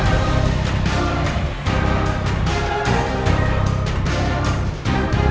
aku akan menangkapmu